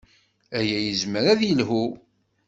Aya yezmer ad yelḥu.